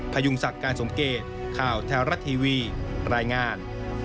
พยุงศักดิ์การสมเกตข่าวแท้รัฐทีวีรายงาน